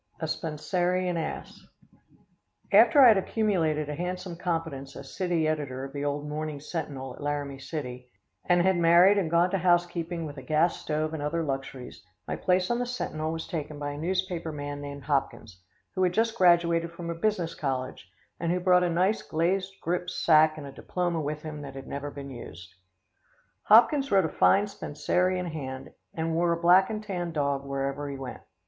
A Spencerian Ass. After I had accumulated a handsome competence as city editor of the old Morning Sentinel at Laramie City, and had married and gone to housekeeping with a gas stove and other luxuries, my place on the Sentinel was taken by a newspaper man named Hopkins, who had just graduated from a business college, and who brought a nice glazed grip sack and a diploma with him that had never been used. Hopkins wrote a fine Spencerian hand and wore a black and tan dog where ever he went.